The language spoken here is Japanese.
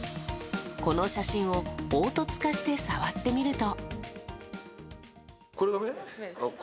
この写真を凹凸化して触ってみると。